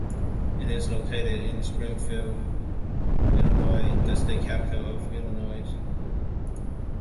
It is located in Springfield, Illinois, the state capital of Illinois.